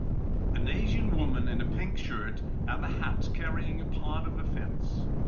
An Asian woman in a pink shirt and a hat carrying a part of a fence.